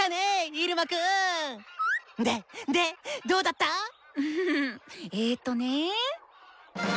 イルマくん！で⁉で⁉どうだった⁉ンフフえとね。